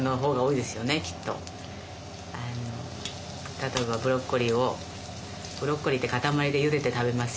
例えばブロッコリーをブロッコリーって固まりでゆでて食べますよね。